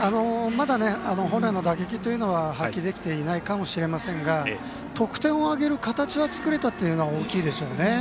まだ本来の打撃というのは発揮できていないかもしれませんが得点を挙げる形は作れたっていうのは大きいですね。